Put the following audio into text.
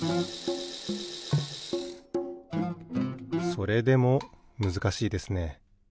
それでもむずかしいですね。